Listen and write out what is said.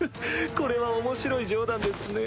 これは面白い冗談ですね。